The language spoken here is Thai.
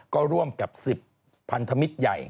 ก็ร่วมกับ๑๐พันธมิตรใหญ่